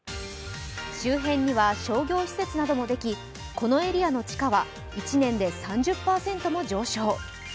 周辺には商業施設などもできこのエリアの地価は、１年で３０％も上昇。